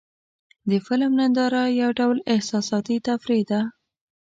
د فلم ننداره یو ډول احساساتي تفریح ده.